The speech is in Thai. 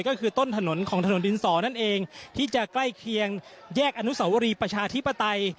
ก็คือต้นถนนของถนนดินสอนั่นเองที่จะใกล้เคียงแยกอนุสวรีประชาธิปไตย